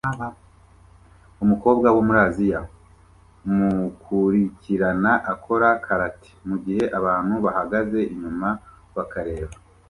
Umukobwa wo muri Aziya mukurikirana akora karate mugihe abantu bahagaze inyuma bakareba